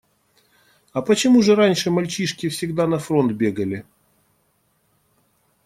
А почему же раньше мальчишки всегда на фронт бегали?